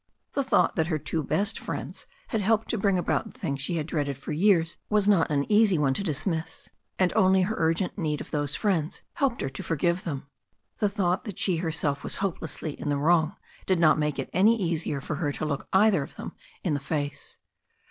The thought that her two best friends had helped to bring about the thing she had dreaded for years was not an easy one 242 THE STORY OF A NEW ZEALAND RIVER 243 to dismiss, and only her urgent need of those friends helped her to forgive them. The thought that she herself was hopelessly in the wrong did not make it any easier for her to look either of them in the face.